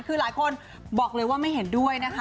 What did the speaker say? คือหลายคนบอกเลยว่าไม่เห็นด้วยนะคะ